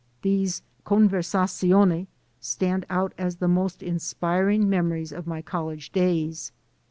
These "conversazioni" stand out as the most in spiring memories of my college days.